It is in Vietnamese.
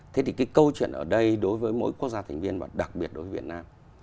thế thì cái câu chuyện ở đây đối với mỗi quốc gia thành viên và đặc biệt đối với việt nam